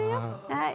はい。